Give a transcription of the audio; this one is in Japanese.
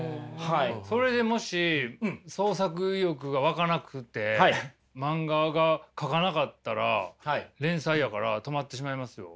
それでもし創作意欲がわかなくて漫画が描かなかったら連載やから止まってしまいますよ。